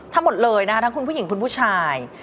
ทั้งหมดเลยนะคะทั้งคุณผู้หญิงคุณผู้ชาย